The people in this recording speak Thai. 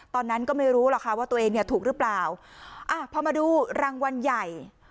ตอนนั้นก็ไม่รู้หรอกค่ะว่าตัวเองเนี่ยถูกหรือเปล่าอ่ะพอมาดูรางวัลใหญ่